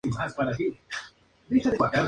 Pero conoce diferentes personas que le ayudan.